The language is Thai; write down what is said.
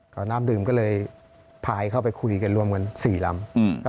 เขาน้ำดื่มก็เลยพายเข้าไปคุยกันรวมกัน๔ลำ